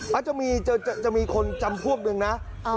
แต่จะมีจะจะจะมีคนจำพวกนึงน่ะอ่า